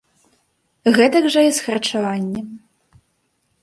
Гэтак жа і з харчаваннем.